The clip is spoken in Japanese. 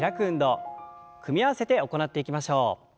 組み合わせて行っていきましょう。